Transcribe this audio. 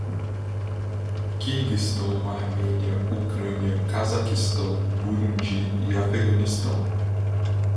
Quirguistão, Armênia, Ucrânia, Cazaquistão, Burundi e Afeganistão